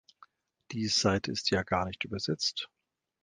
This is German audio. Die Seite ist ja gar nicht übersetzt.